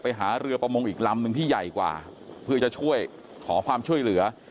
ไปหาเรือประมงอีกลำนึงที่ใหญ่กว่าเพื่อจะช่วยขอความช่วยเหลือ